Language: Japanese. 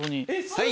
はい。